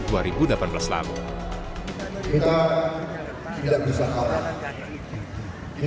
kita tidak bisa kalah kita tidak boleh kalah